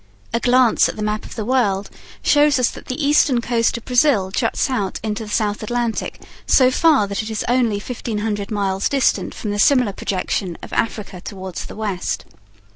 A glance at the map of the world shows us that the eastern coast of Brazil juts out into the South Atlantic so far that it is only fifteen hundred miles distant from the similar projection of Africa towards the west.